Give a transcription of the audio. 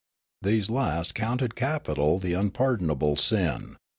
These last counted capital the unpardonable sin.